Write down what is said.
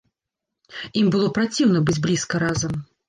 Ім было праціўна быць блізка разам.